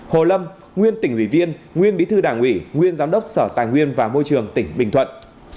hai hồ lâm nguyên tỉnh ủy viên nguyên bí thư đảng ủy nguyên giám đốc sở tài nguyên và môi trường tỉnh bình thuận